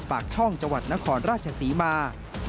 ปากช่องจังหวัดนครราชศรีมา